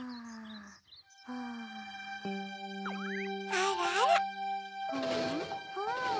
あらあら。